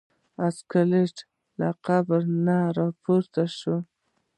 سکلیټ له قبر نه پورته شو.